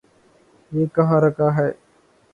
یہ کہاں رکھا ہے؟